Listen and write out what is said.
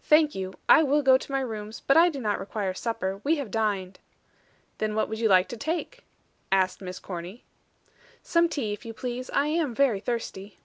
"Thank you. I will go to my rooms, but I do not require supper. We have dined." "Then what would you like to take?" asked Miss Corny. "Some tea, if you please, I am very thirsty."